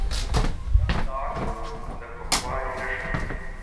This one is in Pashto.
زغم د عقل د پخوالي نښه ده.